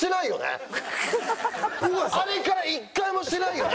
あれから一回もしてないよね？